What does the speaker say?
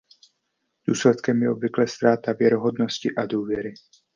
Důsledkem je obvykle ztráta věrohodnosti a důvěry.